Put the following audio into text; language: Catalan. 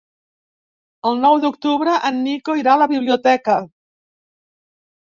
El nou d'octubre en Nico irà a la biblioteca.